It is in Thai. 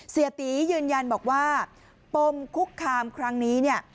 เสียตียืนยันบอกว่าปมคุกคามครั้งนี้เนี่ย